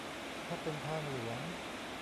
ถ้าเป็นทางหลวง